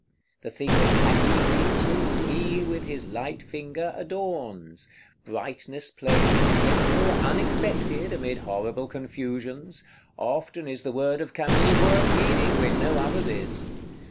The thing that Camille teaches he, with his light finger, adorns: brightness plays, gentle, unexpected, amid horrible confusions; often is the word of Camille worth reading, when no other's is.